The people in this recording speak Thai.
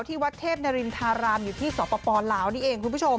ที่วัดเทพนรินทราราภอยู่ที่สำหรับปลอลาวนี้เองคุณผู้ชม